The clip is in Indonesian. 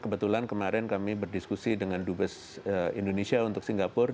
kebetulan kemarin kami berdiskusi dengan dubes indonesia untuk singapura